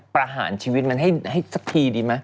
ประหารชีวิตมันให้สักทีดีไหม